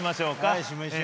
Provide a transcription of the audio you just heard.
はいしましょう。